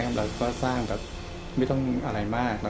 พลย์ก็สร้างไม่ต้องอะไรมาก